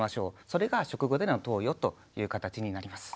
それが食後での投与という形になります。